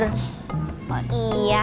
katanya mau bantuin jemur